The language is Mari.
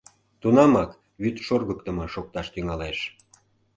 Тунамак вӱд шоргыктымо шокташ тӱҥалеш.